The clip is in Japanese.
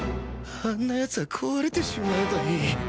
あんなヤツは壊れてしまえばいい。